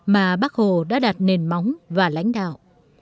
mà bác hồ đã đặt nền móng và lãnh đạo